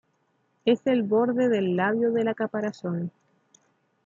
Es el borde del labio de la caparazón.